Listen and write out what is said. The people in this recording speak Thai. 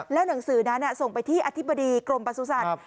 แล้วหนังสือนั้นส่งไปที่อธิบดีกรมประสุทธิ์